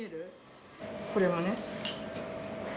これはね。